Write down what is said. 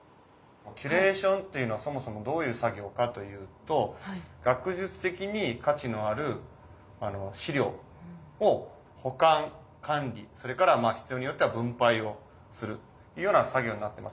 キュレーションというのはそもそもどういう作業かというと学術的に価値のある資料を保管管理それから必要によっては分配をするというような作業になってます。